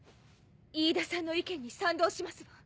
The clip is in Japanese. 飯田さんの意見に賛同しますわ。